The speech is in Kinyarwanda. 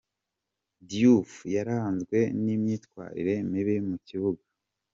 Diouf yaranzwe n’imyitwarire mibi mu kibuga.